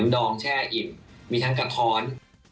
ดองแช่อิ่มมีทั้งกระท้อน